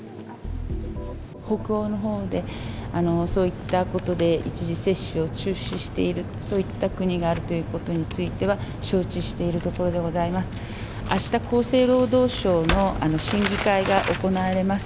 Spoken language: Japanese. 北欧のほうでそういったことで、一時接種を中止している、そういった国があるということについては、承知しているところでございます。